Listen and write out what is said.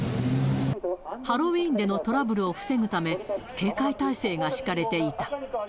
ハロウィーンでのトラブルを防ぐため、警戒態勢が敷かれていた。